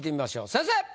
先生！